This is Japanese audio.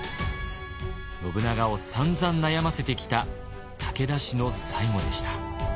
信長をさんざん悩ませてきた武田氏の最後でした。